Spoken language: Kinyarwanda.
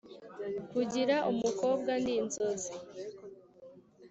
kugira umukobwa ni inzozi